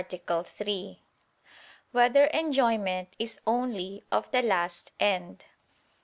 11, Art. 3] Whether Enjoyment Is Only of the Last End?